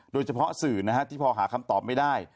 โดยเฉพาะสื่อที่พอหาคำตอบไม่ได้